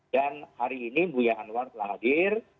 dan hari ini buya anwar telah hadir